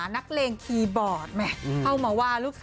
นักเล่นคีย์บอร์ดมาก